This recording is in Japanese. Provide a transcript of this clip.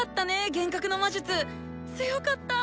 幻覚の魔術強かったぁ。